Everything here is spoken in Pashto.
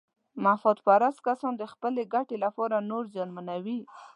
مفاد پرست کسان د خپلې ګټې لپاره نور زیانمنوي.